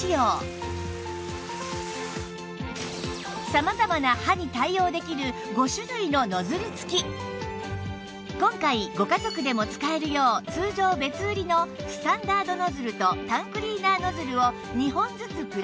様々な歯に対応できる今回ご家族でも使えるよう通常別売りのスタンダードノズルとタンクリーナーノズルを２本ずつプラス